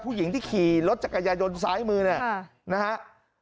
ผู้หญิงที่ขี่รถจักรยายนซ้ายมือนะครับ